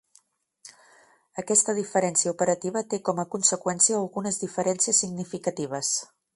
Aquesta diferència operativa té com a conseqüència algunes diferències singificatives.